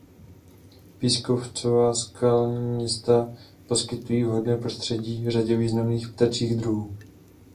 Pískovcová skalní města poskytují vhodné prostředí řadě významných ptačích druhů.